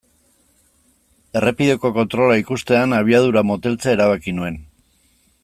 Errepideko kontrola ikustean abiadura moteltzea erabaki nuen.